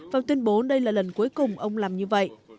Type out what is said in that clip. và tuyên bố đây là lần cuối cùng ông làm như vậy